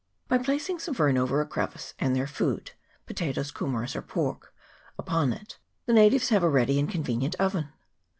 By placing some fern over a crevice, and their food (potatoes, ku meras, or pork) upon it, the natives have a ready and convenient oven.